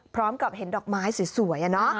พร้อมกับเห็นดอกไม้สวย